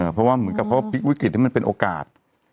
เพราะว่าเหมือนกับวิกฤติมันเป็นโอกาส